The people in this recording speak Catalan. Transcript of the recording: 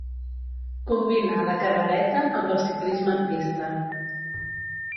Combina la carrereta amb el ciclisme en pista.